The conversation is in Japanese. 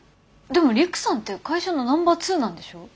でも陸さんって会社のナンバー２なんでしょ？